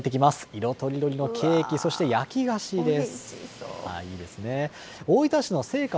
色とりどりのケーキ、そして焼き菓子です。